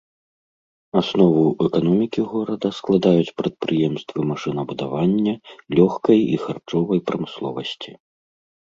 Аснову эканомікі горада складаюць прадпрыемствы машынабудавання, лёгкай і харчовай прамысловасці.